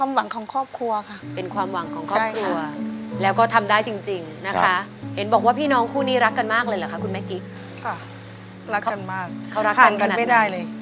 ห่างกันไม่ได้เลย